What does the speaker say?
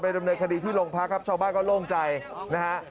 ฯบรรยาบนิยมคคดีที่ลงพรรคชาวบ้านก็โล่งใจนะฮะ